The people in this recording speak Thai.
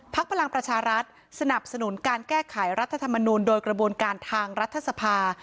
พลังประชารัฐสนับสนุนการแก้ไขรัฐธรรมนูลโดยกระบวนการทางรัฐสภา